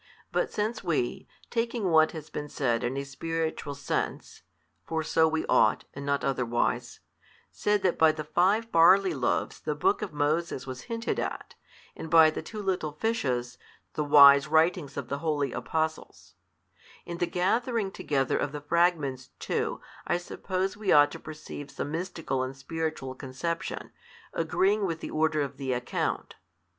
But since we taking what has been said in a spiritual sense (for so we ought, and not otherwise) said that by the five barley loaves the book of Moses was hinted at, and by the two little fishes, the wise writings of the holy Apostles: in the gathering together of the fragments too, I suppose we ought to perceive some mystical and spiritual conception, agreeing with the order of the account.